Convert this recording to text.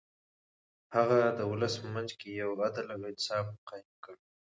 هغه د ولس په منځ کې يو عدل او انصاف قايم کړ.